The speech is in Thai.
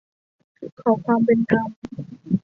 ขอความเป็นธรรม